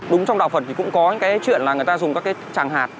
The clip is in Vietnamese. đúng trong đạo phật thì cũng có cái chuyện là người ta dùng các tràng hạt